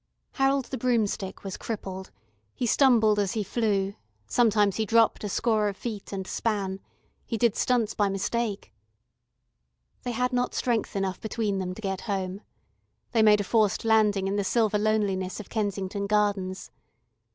Harold the Broomstick was crippled, he stumbled as he flew, sometimes he dropped a score of feet, and span. He did stunts by mistake. They had not strength enough between them to get home. They made a forced landing in the silver loneliness of Kensington Gardens.